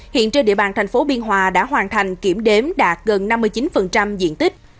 hiện trên địa bàn thành phố biên hòa đã hoàn thành kiểm đếm đạt gần năm mươi chín diện tích